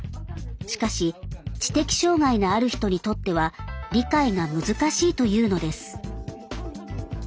しかし知的障害のある人にとっては理解が難しいというのです。